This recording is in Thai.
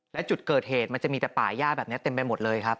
และจุดเกิดเหตุมันจะมีแต่ป่าย่าแบบนี้เต็มไปหมดเลยครับ